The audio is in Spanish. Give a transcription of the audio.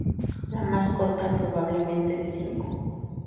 La más corta, probablemente de cinco.